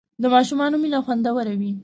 د ماشومانو مینه خوندور وي.